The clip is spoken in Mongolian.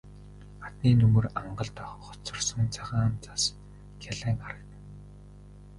Хадны нөмөр ангалд хоцорсон цагаан цас гялайн харагдана.